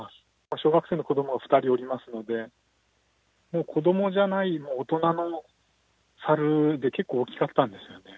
小学生の子どもが２人おりますので、子どもじゃない、もう大人のサルで、結構大きかったんですよね。